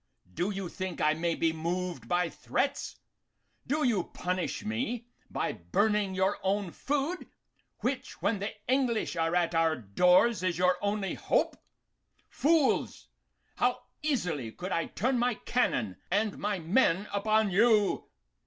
Do you think I may be moved by threats? Do you punish me by burning your own food, which, when the English are at our doors, is your only hope? Fools! How easily could I turn my cannon and my men upon you!